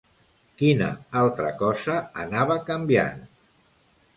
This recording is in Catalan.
Quina altra cosa anava canviant?